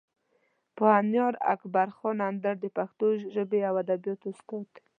پوهنیار اکبر خان اندړ د پښتو ژبې او ادبیاتو استاد دی.